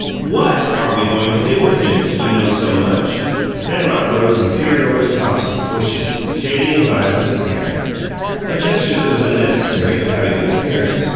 "WHAT are we goin' to do with him, you know so much?" Penrod rose and peered over the tops of the bushes, shading his eyes with his hand, a gesture that was unnecessary but had a good appearance.